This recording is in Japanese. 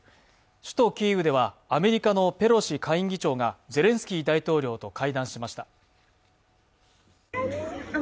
首都キーウではアメリカのペロシ下院議長がゼレンスキー大統領と会談しました。